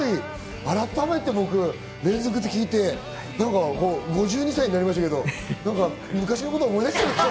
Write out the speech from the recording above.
改めて僕、連続で聴いて５２歳になりましたけど、昔のことを思い出しちゃった。